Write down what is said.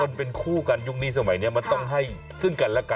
คนเป็นคู่กันยุคนี้สมัยนี้มันต้องให้ซึ่งกันและกัน